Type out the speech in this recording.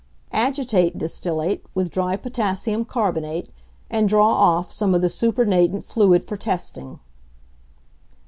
Agitate distillate with dry potassium carbonate, and draw off some of the supernatant fluid for testing.